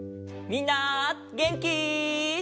みんなげんき？